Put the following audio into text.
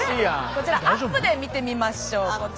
こちらアップで見てみましょう。